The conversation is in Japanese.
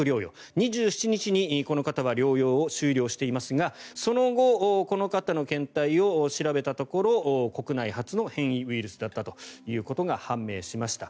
２７日にこの方は療養を終了していますがその後、この方の検体を調べたところ国内初の変異ウイルスだったということが判明しました。